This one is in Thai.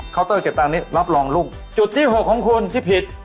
เตอร์เก็บตังค์นี้รับรองลูกจุดที่๖ของคุณที่ผิด